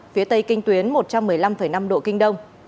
phía tây kinh tuyến một trăm một mươi năm năm độ kinh đông